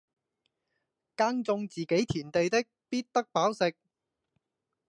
耕種自己田地的，必得飽食